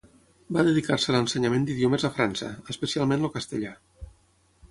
Va dedicar-se a l'ensenyament d'idiomes a França, especialment el castellà.